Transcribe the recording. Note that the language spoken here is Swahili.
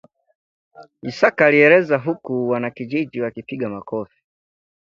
Isaka alieleza huku wanakijiji wakipiga makofi